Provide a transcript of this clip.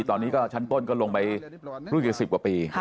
ตอนนี้ก็ชั้นต้นก็ลงไปรุ่นกี่สิบกว่าปี